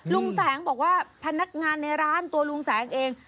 ลุงแสงบอกว่าพนักงานในร้านตัวลุงแสงเอง